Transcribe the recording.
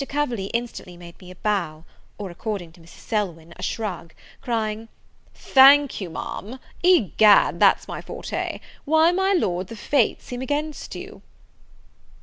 Coverley instantly made me a bow, or, according to Mrs. Selwyn, a shrug, crying, "Thank you, Ma'am; egad, that's my forte! why, my Lord, the Fates seem against you."